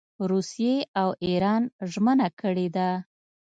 روسیې او اېران ژمنه کړې ده.